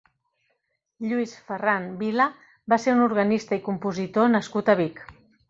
Lluís Ferran Vila va ser un organista i compositor nascut a Vic.